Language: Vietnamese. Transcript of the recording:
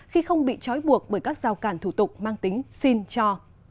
khi không bị trói buộc bởi các giao cản thủ tục mang tính xin cho